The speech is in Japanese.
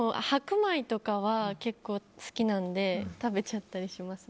白米とかは結構好きなので食べちゃったりします。